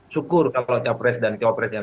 syukur kalau capres dan copres yang